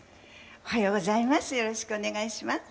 おはようございます。